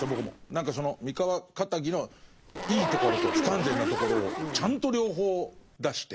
何かその三河かたぎのいいところと不完全なところをちゃんと両方出して。